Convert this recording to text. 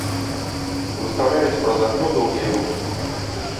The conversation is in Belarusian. Выстаўляюць праз акно доўгія рукі.